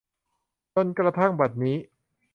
จนกระทั่งบัดนี้